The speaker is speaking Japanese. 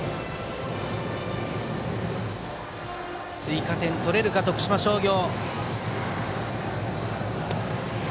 追加点を取れるか、徳島商業。